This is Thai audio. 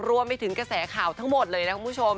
รวมไปถึงกระแสข่าวทั้งหมดเลยนะคุณผู้ชม